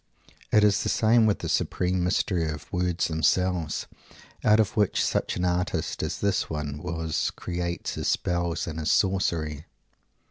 It is the same with that supreme mystery of words themselves, put of which such an artist as this one was creates his spells and his sorcery.